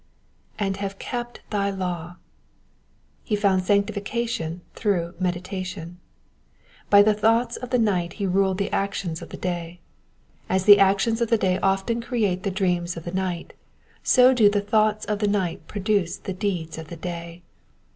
^^And have kept thy law,'*'' He found sanctification through meditation ; by the thoughts of the night he ruled the actions of the day. As the actions of the day often create the dreams of the night, so do the thoughts of the night produce the deeds of the day.